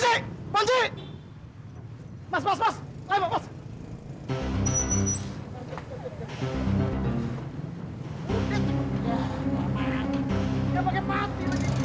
kukukan seorang raga yang punya banyak kapal